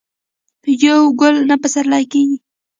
په یو ګل نه پسرلی کېږي